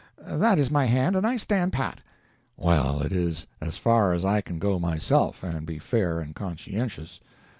That is my hand, and I stand pat." "Well, it is as far as I can go myself, and be fair and conscientious.